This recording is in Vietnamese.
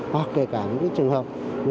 hoặc kể cả những trường hợp không kịp khai báo